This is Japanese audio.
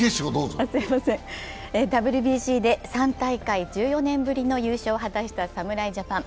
ＷＢＣで３大会１４年ぶりの優勝を果たした侍ジャパン。